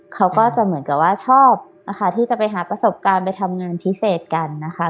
เขาก็จะเหมือนกับว่าชอบนะคะที่จะไปหาประสบการณ์ไปทำงานพิเศษกันนะคะ